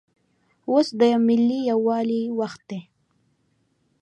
اوس دملي یووالي وخت دی